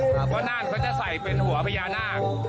เพราะนั่นเขาจะใส่เป็นหัวพญานาค